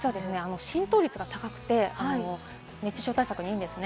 浸透率が高くて熱中症対策にいいんです。